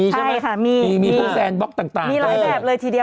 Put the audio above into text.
ใช่ค่ะมีมีพวกแซนบล็อกต่างมีหลายแบบเลยทีเดียว